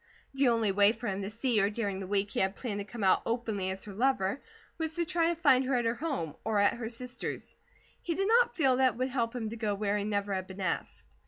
The only way for him to see her during the week he had planned to come out openly as her lover, was to try to find her at her home, or at her sister's. He did not feel that it would help him to go where he never had been asked.